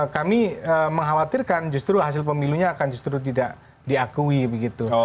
kami mengkhawatirkan justru hasil pemilunya akan justru tidak diakui begitu